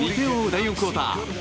第４クオーター。